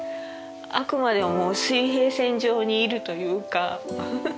あくまでも水平線上にいるというか。